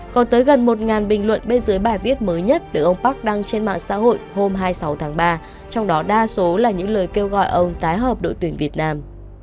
còn tới gần một bình luận bên dưới bài viết mới nhất được ông park đăng trên mạng xã hội hôm hai mươi sáu tháng ba trong đó đa số là những lời kêu gọi ông tái hợp đội tuyển việt nam